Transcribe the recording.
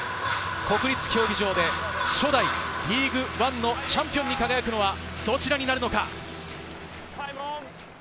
国立競技場で初代リーグワンのチャンピオンに輝くのはどちらになるのか。